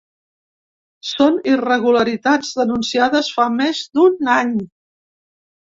Són irregularitats denunciades fa més d’un any!